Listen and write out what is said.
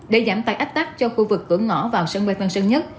để giảm tài ách tắc cho khu vực cửa ngõ vào sân bay tân sơn nhất